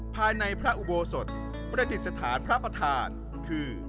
ภายในพระอุโบสถประดิษฐานพระประธานคือ